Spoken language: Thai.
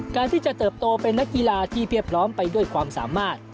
การที่จะเติบโตเป็นนักกีฬาที่เรียบพร้อมไปด้วยความสามารถ